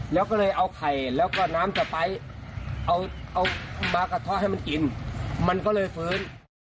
แล้วก็เลยเอาไข่แล้วก็น้ำสไป๊เอาปลากระท่อให้มันกินมันก็เลยฟื้น